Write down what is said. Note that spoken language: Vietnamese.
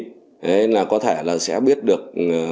đấy là có thể là sẽ biết được